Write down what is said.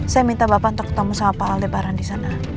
saya minta bapak untuk ketemu sama pak al debaran di sana